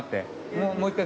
もう一回。